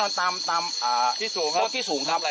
ขอบคุณทุกคน